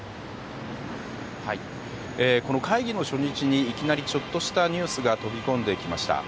この会議の初日にいきなりちょっとしたニュースが飛び込んできました。